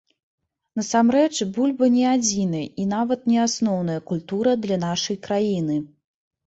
Насамрэч, бульба не адзіная і нават не асноўная культура для нашай краіны.